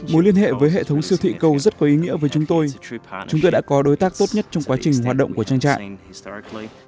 mối liên hệ với hệ thống siêu thị cầu rất có ý nghĩa với chúng tôi chúng tôi đã có đối tác tốt nhất trong quá trình hoạt động của trang trại